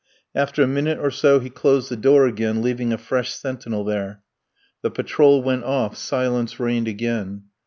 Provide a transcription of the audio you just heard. After a minute or so he closed the door again, leaving a fresh sentinel there; the patrol went off, silence reigned again.